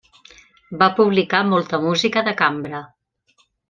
Va publicar molta música de cambra.